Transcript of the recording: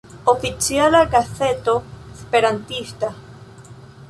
Oficiala Gazeto Esperantista.